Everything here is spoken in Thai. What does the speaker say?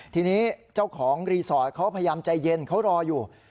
ทีนี้เจ้าของรีสอร์ทเขาพยายามใจเย็นเขารออยู่